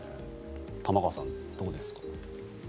玉川さん、どうですか。